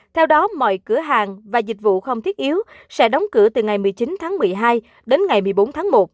theo đó mọi cửa hàng và dịch vụ không thiết yếu sẽ đóng cửa từ ngày một mươi chín tháng một mươi hai đến ngày một mươi bốn tháng một